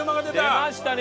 出ましたね